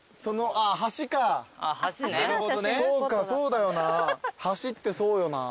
そうかそうだよな橋ってそうよな。